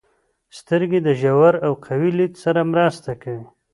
• سترګې د ژور او قوي لید سره مرسته کوي.